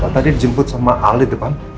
tadi dijemput sama al di depan